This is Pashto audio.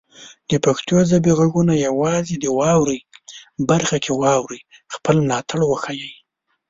د پښتو ژبې غږونه یوازې د "واورئ" برخه کې واورئ، خپل ملاتړ وښایئ.